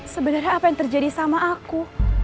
sebenarnya apa yang terjadi sama aku